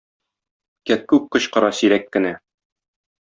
Кәккүк кычкыра сирәк кенә